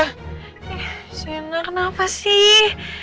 eh sayangnya kenapa sih